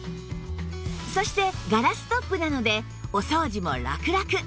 そしてガラストップなのでお掃除もラクラク！